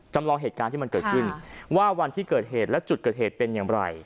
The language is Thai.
จำลองเหตุการณ์ที่มันเกิดขึ้นว่าวันที่เกิดเหตุและจุดเกิดเหตุเป็นอย่างไร